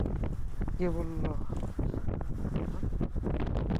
কে বলল অ্যামোস না?